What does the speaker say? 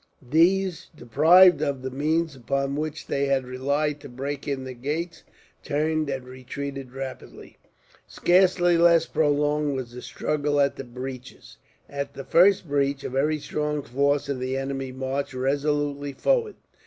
These, deprived of the means upon which they had relied to break in the gates, turned and retreated rapidly. Scarcely less prolonged was the struggle at the breaches. At the first breach, a very strong force of the enemy marched resolutely forward.